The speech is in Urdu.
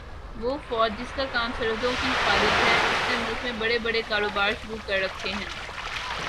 وہ فوج جس کا کام سرحدوں کی حفاظت ہے اس نے ملک میں بڑے بڑے کاروبار شروع کر رکھے ہیں